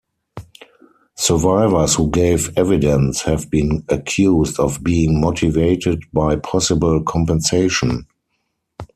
Survivors who gave evidence have been accused of being motivated by possible compensation.